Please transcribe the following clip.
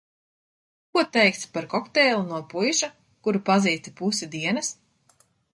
Ko teiksi par kokteili no puiša, kuru pazīsti pusi dienas?